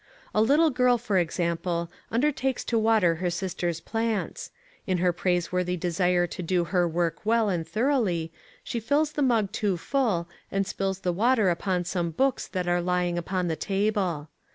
A little girl, for example, undertakes to water her sister's plants. In her praiseworthy desire to do her work well and thoroughly, she fills the mug too full, and spills the water upon some books that are lying upon the table.